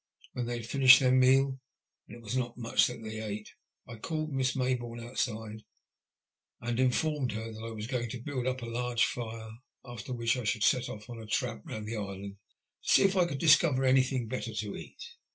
When they had finished their meal — ^and it was not much that they ate — ^I called Miss Mayboume outside and informed her that I was going to build up a large fire, after which I should set off on a tramp round the island to see if I could discover anything better to eat.